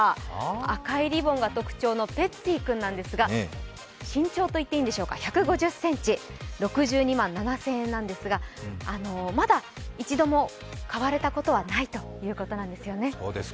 赤いリボンが特徴のペッツィ君なんですが、身長１５０ｃｍ、６２万７０００円なんですがまだ一度も買われたことはないということなんですよね。